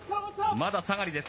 まだ下がりです。